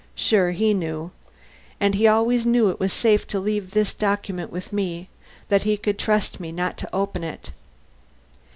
Sure, he knew. And he also knew it was safe to leave this document with me that he could trust me not to open it.